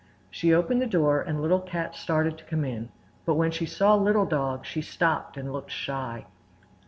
'" She opened the door and Little Cat started to come in, but when she saw Little Dog she stopped and looked shy.